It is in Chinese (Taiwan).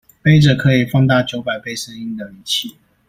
揹著可以放大九百倍聲音的儀器